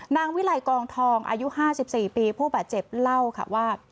นางวิไลกองทองอายุ๕๔ปีผู้บาดเจ็บเล่าค่ะว่า